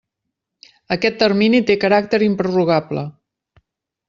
Aquest termini té caràcter improrrogable.